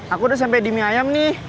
aku udah sampai di mie ayam nih